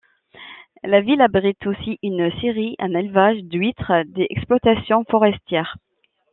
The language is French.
La ville abrite aussi une scierie, un élevage d'huîtres, des exploitations forestières.